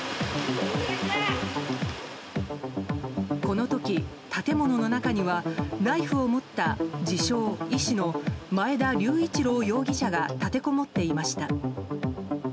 この時、建物の中にはナイフを持った自称医師の前田隆一郎容疑者が立てこもっていました。